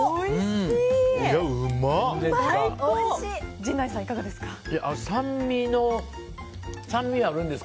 陣内さん、いかがですか？